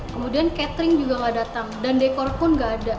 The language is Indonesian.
kemudian catering juga nggak datang dan dekor pun nggak ada